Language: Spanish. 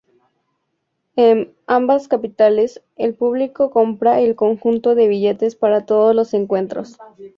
Em ambas capitales el público compra el conjunto de billetes para todos los encuentros.